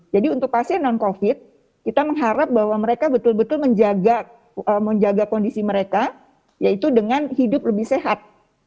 jadi untuk pasien non covid kita mengharap bahwa mereka betul betul menjaga kondisi mereka yaitu dengan hidup lebih sehat